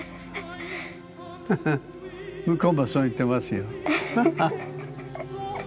向こうもそう言ってますよ。